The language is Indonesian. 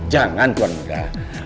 jangan tuan uda